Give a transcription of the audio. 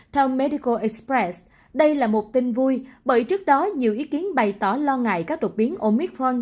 theo medicor express đây là một tin vui bởi trước đó nhiều ý kiến bày tỏ lo ngại các đột biến omitforn